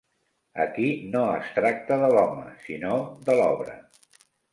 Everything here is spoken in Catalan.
Aquí no es tracta de l'home, sinó de l'obra